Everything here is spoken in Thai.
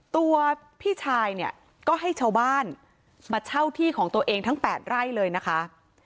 ตัวพี่ชายเนี่ยก็ให้ชาวบ้านมาเช่าที่ของตัวเองทั้ง๘ไร่เลยนะคะ